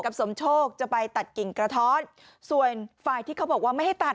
สมโชคจะไปตัดกิ่งกระท้อนส่วนฝ่ายที่เขาบอกว่าไม่ให้ตัด